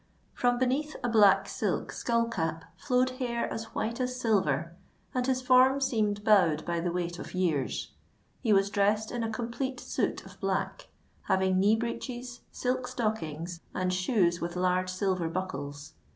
From beneath a black silk skullcap flowed hair as white as silver; and his form seemed bowed by the weight of years. He was dressed in a complete suit of black, having knee breeches, silk stockings, and shoes with large silver buckles.